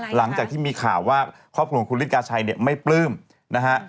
หลังจากที่มีข่าวว่าครอบครัวของคุณฤทกาชัยเนี่ยไม่ปลื้มนะฮะ